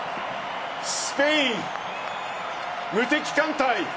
スペイン、無敵艦隊。